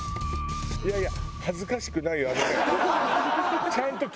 いやいや。